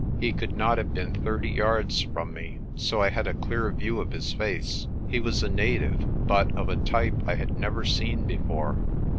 He could not have been thirty yards from me, so I had a clear view of his face. He was a native, but of a type I had never seen before.